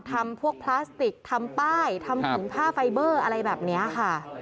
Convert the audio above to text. ทำพวกพลาสติกทำป้ายทำถุงผ้าไฟเบอร์อะไรแบบนี้ค่ะ